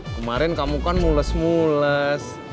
kemarin kamu kan mules mules